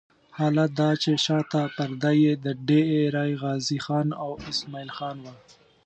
حال دا چې شاته پرده یې د ډېره غازي خان او اسماعیل خان وه.